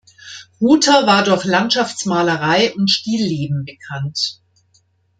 Ruta war durch Landschaftsmalerei und Stillleben bekannt.